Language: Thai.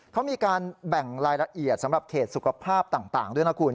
เขามีการแบ่งรายละเอียดสำหรับเขตสุขภาพต่างด้วยนะคุณ